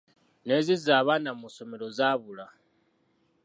N’ezizza abaana mu ssomero zaabula.